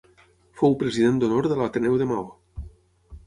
Fou president d'Honor de l'Ateneu de Maó.